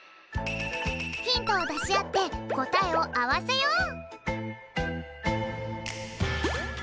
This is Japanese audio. ヒントをだしあってこたえをあわせよう！